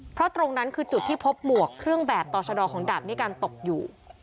เพราะตรงนั้นคือจุดที่พบหมวกเครื่องแบบต่อชะดอของดาบนิกัลตกอยู่